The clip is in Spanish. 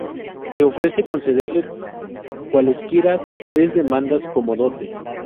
Le ofrece concederle cualesquiera tres demandas como dote.